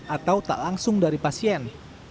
atau tak langsung dari pasien